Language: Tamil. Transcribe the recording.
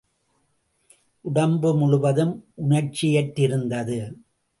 உடம்வு முழுவதும் உணர்ச்சியற்றிருந்தது.